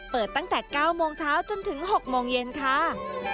เปิดตั้งแต่๙โมงเช้าจนถึง๖โมงเย็นค่ะ